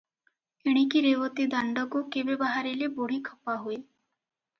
ଏଣିକି ରେବତୀ ଦାଣ୍ଡକୁ କେବେ ବାହାରିଲେ ବୁଢ଼ୀ ଖପା ହୁଏ।